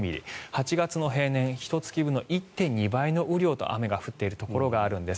８月の平年ひと月分の１．２倍の量が降っているところがあるんです。